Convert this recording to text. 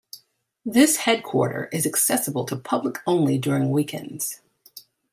This headquarter is accessible to public only during weekends.